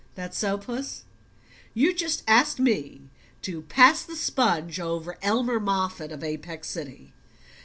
"That so, Puss? You just ask me to pass the sponge over Elmer Moffatt of Apex City?